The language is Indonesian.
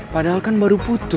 padahal kan baru putus